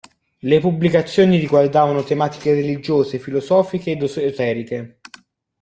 Le pubblicazioni riguardavano tematiche religiose, filosofiche ed esoteriche.